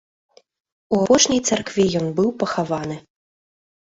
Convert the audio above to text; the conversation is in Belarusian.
У апошняй царкве ён быў пахаваны.